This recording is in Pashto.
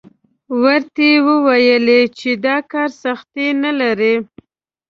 ورته ویل یې چې دا کار سختي نه لري.